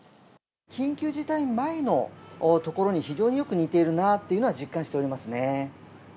緊急事態前のところに非常によく似ているなというのは、実感しておりますね。